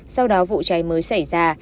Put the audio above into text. sau đó vụ cháy mới xảy ra